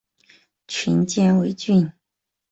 属犍为郡。